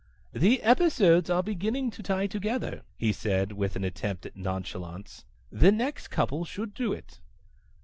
"The episodes are beginning to tie together," he said, with an attempt at nonchalance. "The next couple should do it."